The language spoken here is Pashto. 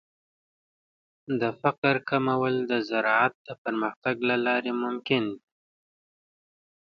د فقر کمول د زراعت د پرمختګ له لارې ممکن دي.